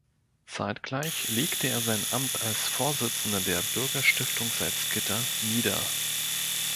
Zeitgleich legte er sein Amt als Vorsitzender der Bürgerstiftung Salzgitter nieder.